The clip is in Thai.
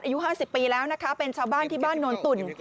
อายุ๕๐ปีแล้วนะคะเป็นชาวบ้านที่บ้านโนนตุ่น